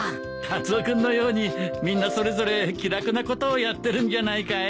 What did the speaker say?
カツオ君のようにみんなそれぞれ気楽なことをやってるんじゃないかい？